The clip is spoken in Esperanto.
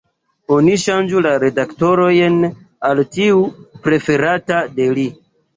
Oni ŝanĝu la redaktorojn al tiu preferata de li.